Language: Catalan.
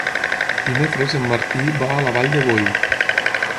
Dimecres en Martí va a la Vall de Boí.